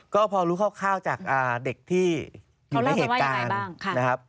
ก็พอรู้เข้าข้าวจากเด็กที่อยู่ในเหตุการณ์